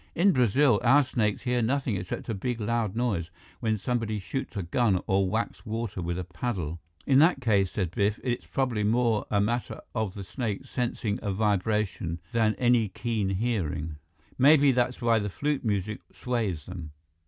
"In Brazil, our snakes hear nothing except a big loud noise, when somebody shoots a gun or whacks water with a paddle." "In that case," said Biff, "it's probably more a matter of the snake sensing a vibration than any keen hearing. Maybe that's why the flute music sways them."